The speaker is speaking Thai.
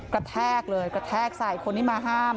แทกเลยกระแทกใส่คนที่มาห้าม